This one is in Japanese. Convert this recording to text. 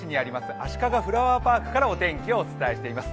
あしかがフラワーパークからお天気をお伝えします。